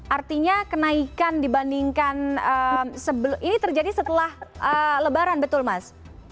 artinya kenaikan dibandingkan ini terjadi setelah lebaran betul mas